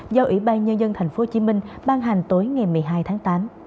do ủy ban nhân dân tp hcm ban hành tối ngày một mươi hai tháng tám